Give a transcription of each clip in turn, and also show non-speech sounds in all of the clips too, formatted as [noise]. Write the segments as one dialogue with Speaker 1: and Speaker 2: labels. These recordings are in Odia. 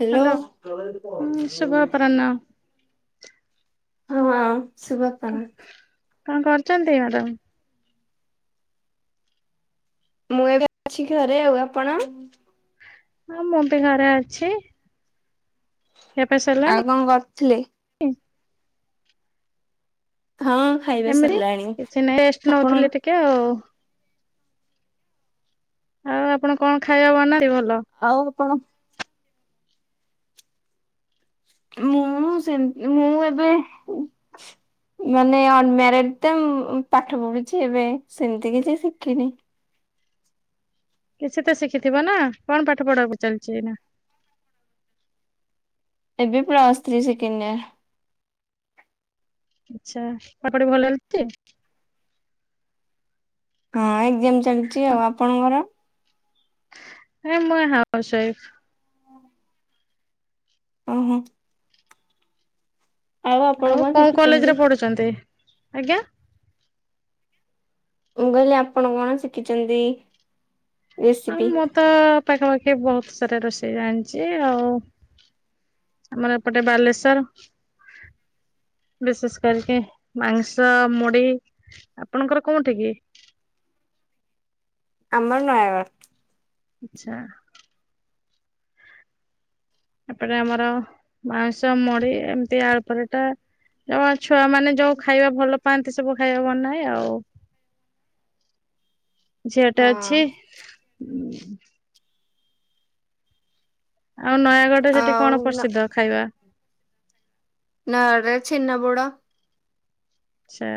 Speaker 1: ହ୍ୟାଲୋ।
Speaker 2: ହୁଁ ଶୁଭ ଅପରାହ୍ନ
Speaker 1: ହଁ ଶୁଭ [unintelligible]
Speaker 2: କଣ କରୁଛନ୍ତି? ମ୍ୟାଡାମ
Speaker 1: ମୁଁ ଏବେ ଅଛି ଘରେ। ଆଉ ଆପଣ?
Speaker 2: ହଁ ମୁଁ ବି ଘରେ ଅଛି। ଖିଆ ପିଆ ସରିଲାଣି
Speaker 1: ଆଉ କଣ କରିଥିଲେ? ହଁ ଖାଇବା
Speaker 2: ଏମିତି
Speaker 1: ସରିଲାଣି
Speaker 2: କିଛି ନାଇଁ ରେଷ୍ଟ
Speaker 1: ଆପଣଙ୍କ
Speaker 2: ନଉଥିଲି ଟିକେ ଆଉ ଆଉ ଆପଣ କଣ ଖାଇବା ବନାତି ଭଲ
Speaker 1: ଆଉ ଆପଣ ମୁଁ ସେ ମୁଁ ଏବେ ମାନେ ଅନମ୍ୟାରେଡ ତ ପାଠ ପଢୁଛି। ଏବେ ସେମିତି କିଛି ଶିଖିନି।
Speaker 2: କିଛି ତ ଶିଖିଥିବ ନା କଣ ପାଠ ପଢାକୁ ଚାଲିଛି ଏଇ ନା?
Speaker 1: ଏବେ ପ୍ଲସ ଥ୍ରୀ ସେକେଣ୍ଡ ଇୟର।
Speaker 2: ଆଛା ପଢ଼ା ପଢ଼ି ଭଲ ହେଉଚି ଟି?
Speaker 1: ହଁ ଏକ୍ଜାମ ଚାଲିଛି ଆଉ ଆପଣଙ୍କର?
Speaker 2: ଇ ମୁଁ ହାଉସ ୱାଇଫ।
Speaker 1: ହଁ। ଓହୋ। ଆପଣ
Speaker 2: ଆଉ
Speaker 1: କଣ
Speaker 2: କୋଉଁ କଲେଜ
Speaker 1: ଶିଖିଛନ୍ତି?
Speaker 2: ରେ ପଢୁଛନ୍ତି? ଆଜ୍ଞା
Speaker 1: ମୁଁ କହିଲି ଆପଣ କଣ ଶିଖିଛନ୍ତି?
Speaker 2: ଆଉ
Speaker 1: ରେସିପି?
Speaker 2: ମୁଁ ତ ପାଖାପାଖି ବହୁତ ସାରା ରୋଷେଇ ଜାଣିଛି ଆଉ ଆମର ଏପଟେ ବାଲେଶ୍ଵର
Speaker 1: ହ
Speaker 2: ବିଶେଷ କରିକି ମାଂସ ମୁଢ଼ି ଆପଣଙ୍କର କୋଉଁଠି କି?
Speaker 1: ଆମର ନୟାଗଡ଼।
Speaker 2: ଆଛା। ଏପଟେ ଆମର ମାଉଁସ ମୁଢ଼ି ଏମିତି ଆଳୁ ପରଟା ଛୁଆ ମାନେ ଯୋଉଁ ଖାଇବା ଭଲ ପାଆନ୍ତି ସବୁ ଖାଇବା ବନାଏ ଆଉ।
Speaker 1: [unintelligible]
Speaker 2: ଝିଅଟେ
Speaker 1: ହଁ
Speaker 2: ଅଛି। ଆଉ ନୟାଗଡରେ ସେଠି କଣ
Speaker 1: ଆଉ
Speaker 2: ପ୍ରସିଦ୍ଧ ଖାଇବା?
Speaker 1: ନୟାଗଡ଼ ରେ ଛେନାପୋଡ଼।
Speaker 2: ଛା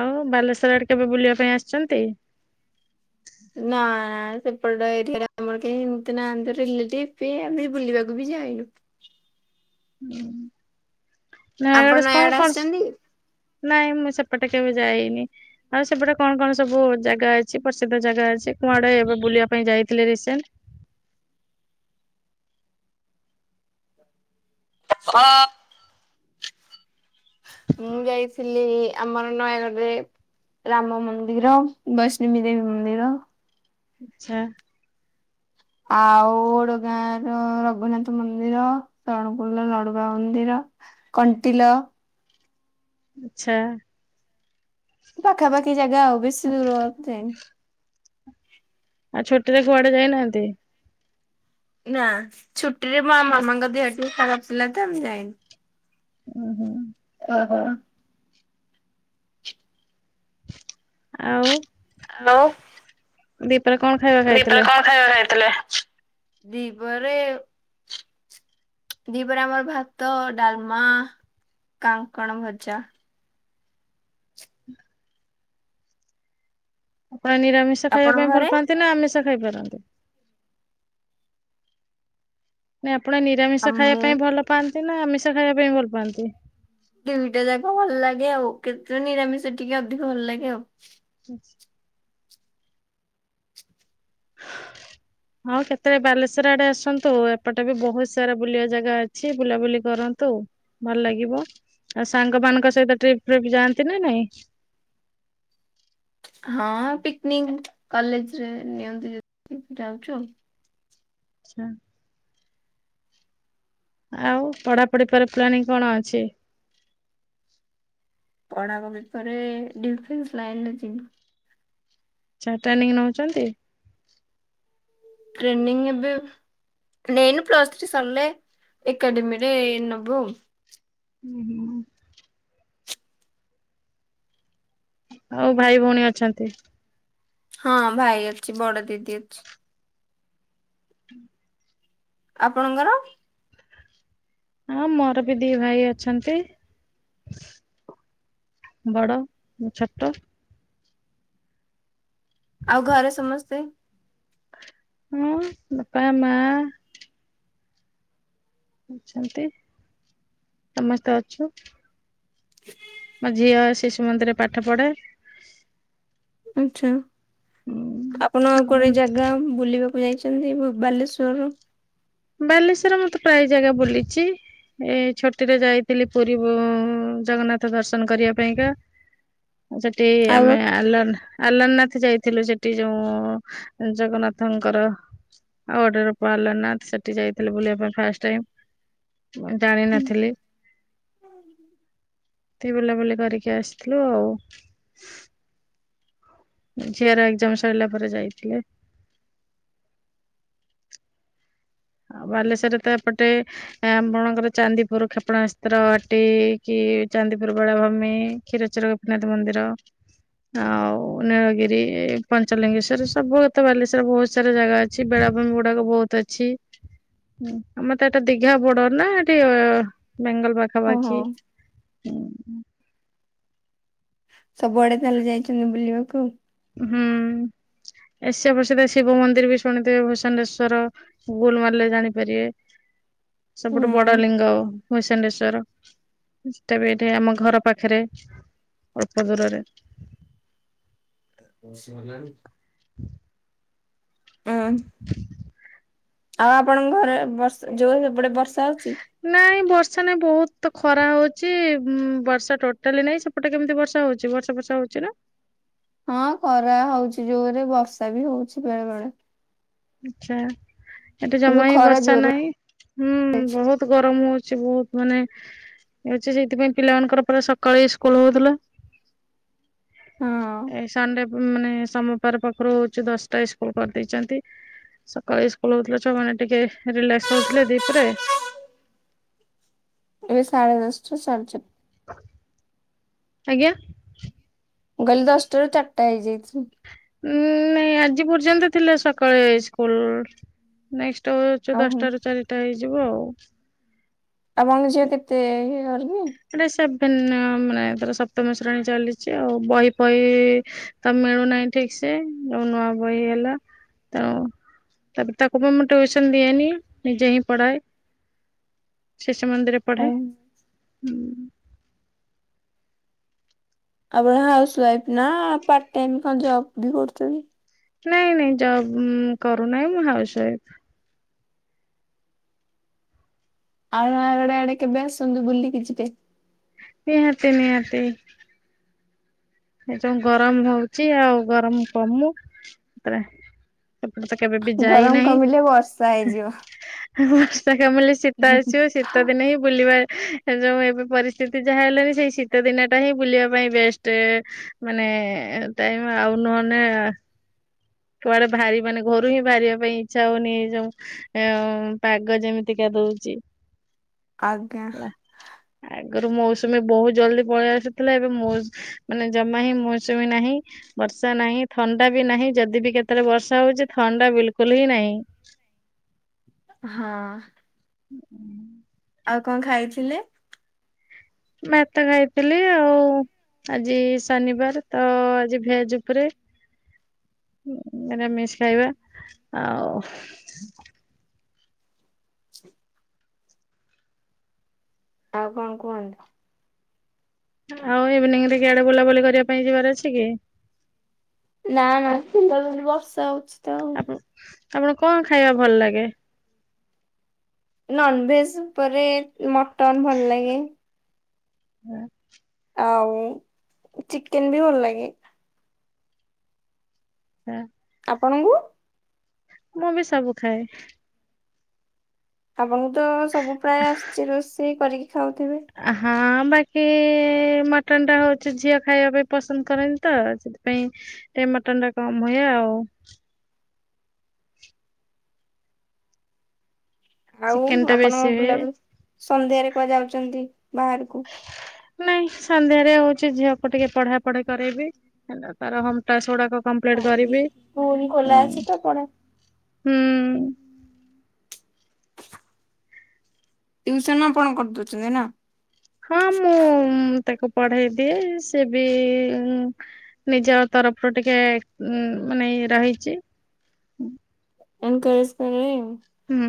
Speaker 2: ଆଉ ବାଲେଶ୍ଵର ଆଡ଼େ କେବେ ବୁଲିବା ପାଇଁ ଆସିଛନ୍ତି।
Speaker 1: ନା ସେପଟ ଏରିଆରେ ଆମର କେହି ଏମିତି ନାହାନ୍ତିି ରିଲେଟିଭ ବି ଆମେ ବୁଲିବାକୁ ବି ଯାଇନୁ।
Speaker 2: ହଁ ନା
Speaker 1: ଆପଣ
Speaker 2: ଏଡ଼େ
Speaker 1: ନୟାଗଡ
Speaker 2: କଣ କଣ
Speaker 1: ଆସିଛନ୍ତି?
Speaker 2: ନାଇଁ ମୁଁ ସେ ଏପଟେ କେବେ ଯାଇନି। ଆଉ ସେପଟେ କଣ କଣ ସବୁ ଜାଗା ଅଛି। ପ୍ରସିଦ୍ଧ ଜାଗା ଅଛି କୁଆଡେ ଏବେ ବୁ ବୁଲିବା ପାଇଁ ଯାଇଥିଲେ ରିସେଣ୍ଟ?
Speaker 1: [inaudible] [unintelligible] ମୁଁ ଯାଇଥିଲି ଆମର ନୟାଗଡ୍ ରେ ରାମ ମନ୍ଦିର, ବୈଷ୍ଣବୀ ଦେବୀ ମନ୍ଦିର।
Speaker 2: ଆଛା।
Speaker 1: ଆଉ ଓଡଗାଁ ର ରଘୁନାଥ ମନ୍ଦିର, ସରଣପୁଲର ଲଡୁବାବା ମନ୍ଦିର- କଣ୍ଟିଲ।
Speaker 2: ଆଛା।
Speaker 1: ପାଖାପାଖି ଜାଗା ଆଉ, ବେଶୀ ଦୂର ଯାଇନି।
Speaker 2: ଆଉ ଛୁଟିରେ କୁଆଡ଼େ ଯାଇନାହାନ୍ତି।
Speaker 1: ନା, ଛୁଟିରେ ମୋ ଆ ମାମାଙ୍କ ଦେହ ଟିକେ ଖରାପ ଥିଲା ତ ମୁଁ ଯାଇନି।
Speaker 2: ହୁଁ ହୁଁ।
Speaker 1: ଅ ହୋ
Speaker 2: ଆଉ
Speaker 1: ଆଉ
Speaker 2: ଦିପରେ କଣ ଖାଇବା
Speaker 1: ଦୀପରେ
Speaker 2: ଖାଇଥିଲେ?
Speaker 1: କଣ ଖାଇବା ଖାଇଥିଲେ ଦୀପରେ ଦିପରେ ଆମର ଭାତ, ଡାଲମା, କାଙ୍କଣ ଭଜା।
Speaker 2: ନିରାମିଷ ଖାଇବା
Speaker 1: ଆପଣଙ୍କ
Speaker 2: ପାଇଁ
Speaker 1: ଘରେ
Speaker 2: ଭଲ ପାଆନ୍ତି ନା ଆମିଷ ଖାଇପାରନ୍ତି? ନାଇଁ ଆପଣ
Speaker 1: ଆ
Speaker 2: ନିରାମିଷ ଖାଇବା
Speaker 1: ମୁଁ
Speaker 2: ପାଇଁ ଭଲ ପାଆନ୍ତି ନା ଆମିଷ ଖାଇବା ପାଇଁ ଭଲ ପାଆନ୍ତି?
Speaker 1: ଦୁଇଟା ଯାକ ଭଲ ଲାଗେ ଆଉ କେତେ ନିରାମିଷ ଟିକେ ଅଧିକ ଭଲ ଲାଗେ ଆଉ।
Speaker 2: ହେଇଚି ହଁ କେତେବେଳେ ବାଲେଶ୍ଵର ଆଡେ ଆସନ୍ତୁ ଏପଟେ ବି ବହୁତ ସାରା ବୁଲିବା ଜାଗା ଅଛି ବୁଲାବୁଲି କର ନ୍ତୁ ଭଲ ଲାଗିବ। ଆଉ ସାଙ୍ଗ ମାନଙ୍କ ସହିତ ଟ୍ରିପ ଫ୍ରିପ ଯାଆନ୍ତି ନା ନାଇଁ?
Speaker 1: ହଁ ପିକନିକ କଲେଜରେ ନିଅନ୍ତି ଯେତେ ଯାଉଛୁ ଆଉ।
Speaker 2: ଆଛା ଆଉ ପଢାପଢି ପରେ ପ୍ଲାନିଂ କଣ ଅଛି?
Speaker 1: ପଢ଼ାକ ଭିତରେ ଡିଫେନ୍ସ ଲାଇନରେ ଯିବୁ।
Speaker 2: ଆଚ୍ଛା ଟ୍ରେନିଂ ନଉଛନ୍ତି?
Speaker 1: ଟ୍ରେଡିଂ ଏବେ ନେଇନୁ ପ୍ଲସ ଥ୍ରୀ ସରିଲେ ଏକାଡେମୀରେ ନବୁ।
Speaker 2: ହୁଁ ହୁଁ ଆଉ ଭାଇ ଭଉଣୀ ଅଛନ୍ତି।
Speaker 1: ହଁ ଭାଇ ଅଛି ବଡ ଦିଦି ଅଛି।
Speaker 2: ହୁଁ
Speaker 1: ଆପଣଙ୍କର?
Speaker 2: ହଁ ମୋର ବି ଦି ଭାଇ ଅଛନ୍ତି। ବଡ଼ ଛୋଟ
Speaker 1: ଆଉ ଘରେ ସମସ୍ତେ
Speaker 2: ହଁ ବାପା ମାଆ ଅଛନ୍ତି। ସମସ୍ତେ ଅଛୁ। ମୋ ଝିଅ ଶିଶୁ ମନ୍ଦିରରେ ପାଠ ପଢେ।
Speaker 1: ଆଛା। ଆପଣ ଆଉ କୁଆଡେ ଜାଗା ବୁଲିବାକୁ ଯାଇଛନ୍ତି ବାଲେଶ୍ଵରରୁୁ?
Speaker 2: ବାଲେଶ୍ଵର ମୁଁ ତ ପ୍ରାୟ ଜାଗା ବୁଲିଛି। ଏଇ ଛୁଟିରେ ଯାଇଥିଲି ପୁରୀ ବୁ ଜଗନ୍ନାଥ ଦର୍ଶନ କରିବା ପାଇଁକା। ସେଠି
Speaker 1: ଆଉ
Speaker 2: ଆମେ ଆଲାନା ଆଲାରନାଥ ଯାଇଥିଲୁ ସେଠି ଯୋଉ ଜଗନ୍ନାଥଙ୍କର। ଆଉ ଅଡର ପାଲ ନା ସେ ଯାଇଥିଲି ବୁଲିବା ପାଇଁ ଫାଷ୍ଟେ ଜାଣିନଥିଲି। ତି ବୁଲା ବୁଲି କରିକି ଆସିଲୁ ଆଉ। ଝିଅର ଏକଜାମ ସରିଲା ପରେ ଯାଇଥିଲେ। ଆଉ ବାଲେଶ୍ଵରରେ ତ ଏପଟେ ଆପଣଙ୍କର ଚାନ୍ଦିପୁର କ୍ଷେପଣାସ୍ତ୍ର ଘାଟି କି? ଚାନ୍ଦିପୁର ବେଳାଭୂମି କ୍ଷୀରଚୋରା ଗୋପୀନାଥ ମନ୍ଦିର ଆଉ ନୀଳଗିରି ପଞ୍ଚଲିଙ୍ଗେଶ୍ଵର ସବୁ ତ ବାଲେଶ୍ଵର ବହୁତ ସାରା ଜାଗା ଅଛି ବେ ଗୁଡାକ ବହୁତ ଅଛି ଆମର ତ ଏଟା ଦିଘା ବଡ ନାଁ ଏଠି ବେଙ୍ଗଲ
Speaker 1: ଓହୋ
Speaker 2: ପାଖାପାଖି ହୁଁ
Speaker 1: ସବୁଆଡେ ତାହେଲେ ଯାଇଛନ୍ତି ବୁଲିବାକୁ?
Speaker 2: ହୁଁ। ଏସିଆ ପ୍ରସିଦ୍ଧ ଶିବ ମନ୍ଦିର ବି ଶୁଣିଥିବେ ଭୂଷାଣ୍ଡେଶ୍ଵର ଗୁଗୁଲ ମାରିଲେ ଜାଣିପାରିବେ।
Speaker 1: [inaudible]
Speaker 2: ସବୁଠୁ ବଡ ଲିଙ୍ଗ ଭୁଷଣ୍ଡେସ ଟା ବି ଏଠି ଆମ ଘର ପାଖରେ ଅଳ୍ପ ଦୂରରେ
Speaker 1: [inaudible] ହୁଁ ଆଉ ଆପଣଙ୍କ ଘରେ ବର୍ଷ ଯୋଉ ଗୋଟେ ବର୍ଷ
Speaker 2: ନାଇଁ ବର୍ଷା ନାଇ ବହୁତ ତ ଖରା ହଉଛି ଉ ବର୍ଷା ଟୋଟାଲି ନାହିଁ ସେପଟେ କେମିତି ବର୍ଷା ହଉଛି ବର୍ଷା ଫର୍ଷା ହଉଛି ନାଁ?
Speaker 1: ହଁ ଖରା ହଉଛି ଜୋରେ ବର୍ଷା ବି ହଉଛି ବେଳେବେଳେ
Speaker 2: ଆଛା। ଏଠି ଜମା ହି
Speaker 1: ଖରା
Speaker 2: ବର୍ଷା
Speaker 1: ଜୋରେ
Speaker 2: ନାହିଁ ହୁଁ
Speaker 1: ହଉଛି।
Speaker 2: ବହୁତ ଗରମ ହଉଛି ବହୁତ। ମାନେ ଛି ସେଇଥିପାଇଁ ପିଲା ମାନଙ୍କର ପୁରା ସକାଳେ ସ୍କୁଲ ହଉଥିଲା।
Speaker 1: ହଁ
Speaker 2: ଏ ସଣ୍ଡେ ମାନେ ସୋମବାର ପାଖରୁ ହଉଛି ଦଶଟା ସ୍କୁଲ କରିଦେଇଛନ୍ତି। ସକାଳେ ସ୍କୁଲ ହଉଥିଲେ ଛୁଆମାନେ ଟିକେ ରିଲାକ୍ସ ହଉଥିଲେ ଦିପହରେ।
Speaker 1: ଏବେ ସାଢ଼େ ଦଶଟା ସାଢ଼େ ଚାରିଟ
Speaker 2: ଆଜ୍ଞା।
Speaker 1: ମୁଁ କହିଲି ଦଶଟାରୁ ଚାଟା ହେଇଯାଇଚି।
Speaker 2: ଉଁ ନାଇଁ ଆଜି ପର୍ଯ୍ୟନ୍ତ ଥିଲା ସକାଳେ ସ୍କୁଲ ନେକ୍ସ ଛ
Speaker 1: ଓହୋ
Speaker 2: ଦଶଟା ରୁ ଚାରିଟା ହେଇଯିବ ଆଉ।
Speaker 1: ଆପଣଙ୍କ ଝିଅ କେତେ ଇଅର?
Speaker 2: ଟେ ସେଭ୍ ମାନେ ତାର ସପ୍ତମ ଶ୍ରେଣୀ ଚାଲିଛି ଆଉ ବହି ବହି ତ ମିଳୁନାହିଁ ଠିକ ସେ ସେ ନଉ ନୂଆ ବହି ହେଲା। ତେଣୁ
Speaker 1: [inaudible]
Speaker 2: ତାପରେ ତାକୁ ମୁଁ ଟିଉସନ ଦିଏନି ନିଜେ ହିଁ ପଢାଏ।
Speaker 1: [unintelligible]
Speaker 2: ଶିଶୁମନ୍ଦିରରେ
Speaker 1: ଓ
Speaker 2: ପଢେ ହୁଁ।
Speaker 1: ଆପଣ ହାଉସ ୱାଇଫ ନା ପାଟଟାଇମ୍ କଣ ଜବ ବି କରୁଛନ୍ତି?
Speaker 2: ନାଇଁ ନାଇଁ ଜବ କରୁନାହିଁ ମୁଁ ହାଉସୱାଇଫ।
Speaker 1: ଆଉ ଆଡେ କେବେ ଆସନ୍ତୁ ବୁଲିକି ଯିବେ?
Speaker 2: ନିହାତି ନିହାତି। ଏ ଯଉ ଗରମ ହଉଛି ଆଉ ଗରମ କମୁ ତାପରେ ଟ ତ କେବେ ବି
Speaker 1: ଗରମ
Speaker 2: ଯାଇନାହିଁ।
Speaker 1: କମିଲେ ବର୍ଷା ହେଇଯିବ।
Speaker 2: ବର୍ଷା କାମିଲେ ଶୀତ ଆସିବ ଶୀତ ଦିନେ ହିଁ ବୁଲିବା ଯୋଉଁ ଏବେ ପରିସ୍ଥିତି ଯାହା ହେଲେଣିି ସେଇ ଶୀତ ଦିନ ଟା ହିଁ ବୁଲିବା ପାଇଁ ବେଷ୍ଟ। ମାନେ ଟାଇମ୍ ଆଉ ନହଲେ କୁଆଡେ ବାହାରି ମାନେ ଘରୁ ହିଁ ବାହାରିବା ପାଇଁ ଇଚ୍ଛା ହଉନି ଏ ଯୋଉଁ ଉଁ ଉଁ ପାଗ ଯେମିତିକା ହୋଉଛି।
Speaker 1: ଆଜ୍ଞା
Speaker 2: ଆଗରୁ ମୌସୁମୀ ବହୁତ ଜଲଦି ପଳେଇ ଆସୁଥିଲା ଏବଂ ମାନେ ଜମା ହିଁ ମୌସୁମୀ ନାହିଁ। ବର୍ଷା ନାହିଁ ଥଣ୍ଡା ବି ନାହିଁ ଯଦି ବି କେତେବେଳେ ବର୍ଷା ହଉଛି ଥଣ୍ଡା ବିଲକୁଲ ହିଁ ନାହିଁ।
Speaker 1: ହଁ।
Speaker 2: ହ ହୁଁ।
Speaker 1: ଆଉ କଣ ଖାଇଥିଲେ?
Speaker 2: ମୁଁତ ଖାଇଥିଲି ଆଉ ଆଜି ଶନିବାର ତ ଆଜି ଭେଜ ଉପରେ ରୋମିଷ ଖାଇବା ଆଉ
Speaker 1: ଆଉ କଣ କୁହନ୍ତୁ?
Speaker 2: ଆଉ ଇଭିନିଂ ରେ କିଆଡେ ବୁଲାବୁଲି କରିବା ପାଇଁ ଯିବାର ଅଛି କି?
Speaker 1: ନା ନା ସେ ବର୍ଷା ହଉଛି। ତ ଆଉ।
Speaker 2: ଆପଣ ଆପଣ କଣ ଖାଇବା ଭଲ ଲାଗେ?
Speaker 1: ନନଭେଜ ଉପରେ ମଟନ ଭଲ ଲାଗେ।
Speaker 2: ହୁଁ।
Speaker 1: ଆଉ ଚିକେନ ବି ଭଲ ଲାଗେ।
Speaker 2: ହଁ।
Speaker 1: ଆପଣଙ୍କୁ?
Speaker 2: ମୁଁ ବି ସବୁ ଖାଏ।
Speaker 1: ଆପଣଙ୍କୁ ତ ସବୁ ପ୍ରାୟ ଆସିଛି ରୋଷେଇ କରିକି ଖାଉଥିବେ
Speaker 2: ହଁ। ବାକି ମଟନ ଟା ହଉଛି ଝିଅ ଖାଇବା ପାଇଁ ପସନ୍ଦ କରନ୍ତିି, ତ ସେଥିପାଇଁ ମଟନ୍ ଟା କମ ହୁଏ ଆଉ
Speaker 1: [unintelligible] ଆଉ
Speaker 2: ଚିକେନ ଟା
Speaker 1: ଆପଣ
Speaker 2: ବେଶୀ ହୁଏ।
Speaker 1: ବୁଲାବୁଲି ସନ୍ଧ୍ୟାରେ କୁହା ଯାଉଛନ୍ତି, ବାହାରକୁ
Speaker 2: ନାଇଁ ସନ୍ଧ୍ୟାରେ ହଉଛି ଝିଅକୁ ଟିକେ ପଢା ପଢି କରାଇବି ହେ ତାର ହମ ଟା ସେୁଡାକ କମ୍ପ୍ଲେଟ କରିବି
Speaker 1: ସ୍କୁଲ ଖୋଲା ଅଛି ତ ପଢା
Speaker 2: ହୁଁ।
Speaker 1: ଟ୍ୟଉସନ ଆପଣ କରିଦଉଛନ୍ତି ନା?
Speaker 2: ହଁ ମୁଁ ତାକୁ ପଢେଇ ଦିଏ ସେ ବି ନିଜ ତରଫରୁ ଟିକେ ଉ ମାନେ ରହିଛି
Speaker 1: ନନ୍ କଳିସ୍ପାରି।
Speaker 2: ହୁଁ।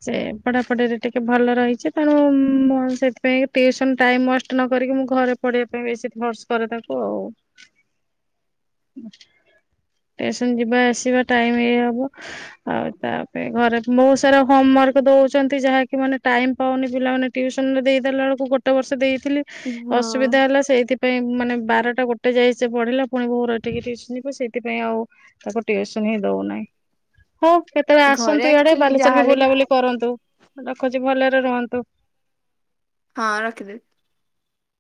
Speaker 1: ହ।
Speaker 2: ସେ ପଢାପଢିରେ ଟିକେ ଭଲ ରହିଛି, ତେଣୁ ସେଥିପାଇଁ ଟସନ ଟାଇମ ୱଷ୍ଟ ନକି ମୁ ଘରେ ପଢେଇବା ପାଇଁ ବେଶୀ ଭର୍ଚ କରେ ତାଙ୍କୁ ଆଉ।
Speaker 1: [unintelligible]
Speaker 2: ହ ଷ୍ଟେସନ ଯିବା ଆସିବା ଟାଇମ ଇ ହବ ଆଉ ତାପରେ ଘରେ ବହୁତ ସାରା କ ଦଛନ୍ତି ଯାହା ମାନେ ଟାଇମ ପାଉନି ପିଲାମାନେ ସନ ଦେଇଦଲା ବବେଳକୁ ଗୋଟେ ବର୍ଷ ଦେଇ ଥିଲି
Speaker 1: ହଁ
Speaker 2: ଅସୁବିଧା ହେଲା ସେଇଥିପାଇଁ ମାନେ ବାରଟା ଗୋଟେ ଯାଇଏ ସେ ପଢିଲା ପୁଣି ଭୋର କସନ ଯିବ ସେଇଥିପାଇଁ ଆଉ ତାକୁ ଉସନ ହିଁ ଦଉନାହିଁ ହଉ କେତେବେଳେ
Speaker 1: ଘରେ
Speaker 2: ଆସନ୍ତୁ ଇଆଡେ,
Speaker 1: ଆକ୍ଚୁଆଲି
Speaker 2: ବାଲେଶର ବି
Speaker 1: ଯାହାହେଲେ
Speaker 2: ବୁଲାବୁଲି କରନ୍ତୁ ରଖୁଛି ଭଲ ରୁହନ୍ତୁ।
Speaker 1: ହଁ ରଖଦ